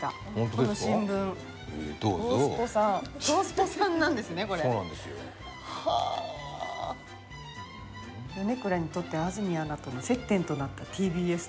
これそうなんですよはあ米倉にとって安住アナとの接点となったＴＢＳ